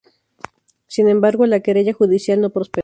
Sin embargo, la querella judicial no prosperó.